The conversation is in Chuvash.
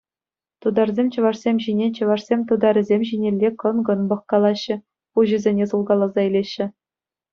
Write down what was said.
Тутарсем чӑвашсем ҫине, чӑвашсем тутарӗсем ҫинелле кӑн-кӑн пӑхкалаҫҫӗ, пуҫӗсене сулкаласа илеҫҫӗ.